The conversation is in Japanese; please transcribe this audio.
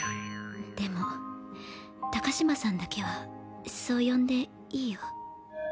でも高嶋さんだけはそう呼んでいいよあっはあっ。